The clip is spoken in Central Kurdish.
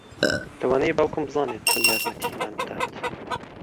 لەوانەیە باوکم بزانێت چۆن یارمەتیمان بدات